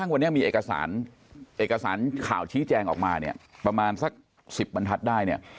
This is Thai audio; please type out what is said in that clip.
วันนี้มีเอกสารเอกสารข่าวชี้แจงออกมาเนี่ยประมาณสัก๑๐บรรทัศน์ได้เนี่ย